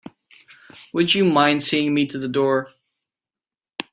Would you mind seeing me to the door?